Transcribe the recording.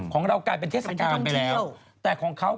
ของเรากลายเป็นเทศกาลไปแล้ว